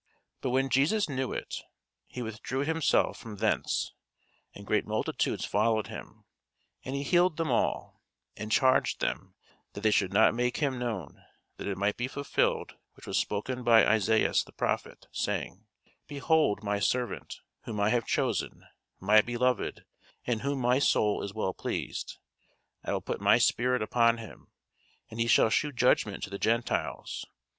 But when Jesus knew it, he withdrew himself from thence: and great multitudes followed him, and he healed them all; and charged them that they should not make him known: that it might be fulfilled which was spoken by Esaias the prophet, saying, Behold my servant, whom I have chosen; my beloved, in whom my soul is well pleased: I will put my spirit upon him, and he shall shew judgment to the Gentiles.